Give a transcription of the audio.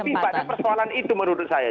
jadi lebih banyak persoalan itu menurut saya